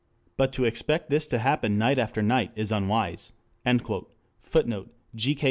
But to expect this to happen night after night is unwise...." [Footnote: G. K.